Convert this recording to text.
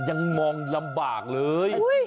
ยังมองลำบากเลย